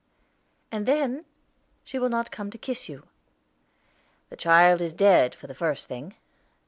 '" "And then she will not come to kiss you." "The child is dead, for the first thing.